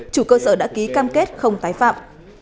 chủ cơ sở đã ký cam kết không tái phạm